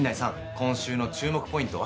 今週の注目ポイントは？